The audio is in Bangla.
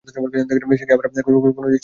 সে কি আবার কোন জিনিস চুরি করিয়া আনিয়াছে?